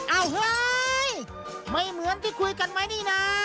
เฮ้ยไม่เหมือนที่คุยกันไหมนี่นะ